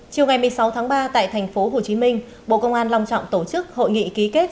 chiều ngày một mươi sáu tháng ba tại thành phố hồ chí minh bộ công an lòng trọng tổ chức hội nghị ký kết